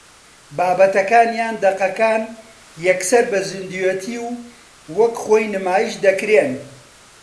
بابەتەکان یان دەقەکان یەکسەر بە زیندووێتی و وەک خۆی نمایش دەکرێن